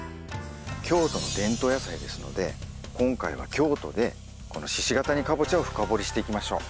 京都の伝統野菜ですので今回は京都でこの鹿ケ谷かぼちゃを深掘りしていきましょう。